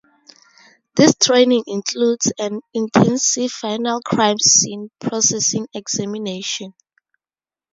This training includes an intensive final crime scene processing examination.